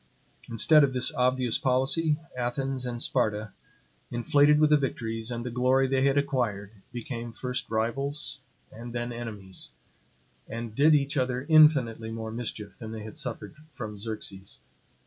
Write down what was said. Instead of this obvious policy, Athens and Sparta, inflated with the victories and the glory they had acquired, became first rivals and then enemies; and did each other infinitely more mischief than they had suffered from Xerxes.